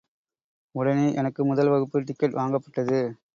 உடனே எனக்கு முதல் வகுப்பு டிக்கெட் வாங்கப்பட்டது.